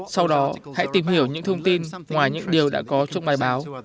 sau đó hãy tìm hiểu những thông tin ngoài những điều đã có trong bài báo